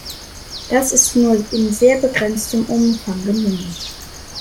Das ist nur in sehr begrenztem Umfang gelungen.